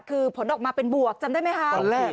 คือผลออกมาเป็นบวกจำได้ไหมคะ